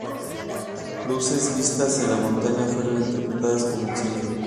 Luces vistas en la montaña fueron interpretadas como incendios.